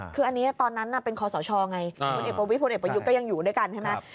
คืออันนี้ตอนนั้นเป็นขศชอว์ไงวิทยุก็ยังอยู่ด้วยกัน